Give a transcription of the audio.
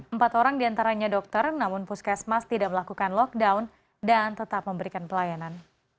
empat orang diantaranya dokter namun puskesmas tidak melakukan lockdown dan tetap memberikan pelayanan